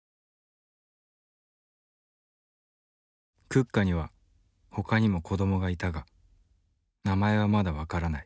クッカにはほかにも子どもがいたが名前はまだ分からない。